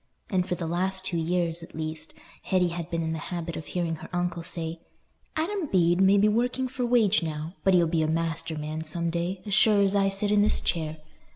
And for the last two years, at least, Hetty had been in the habit of hearing her uncle say, "Adam Bede may be working for wage now, but he'll be a master man some day, as sure as I sit in this chair.